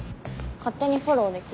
勝手にフォローできる。